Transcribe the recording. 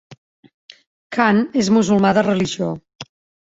Khan és musulmà de religió.